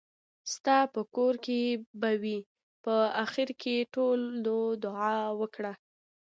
ستاپه کور کې به وي. په اخېر کې ټولو دعا وکړه .